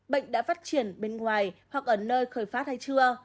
bệnh đã phát triển bên ngoài hoặc ở nơi khởi phát hay chưa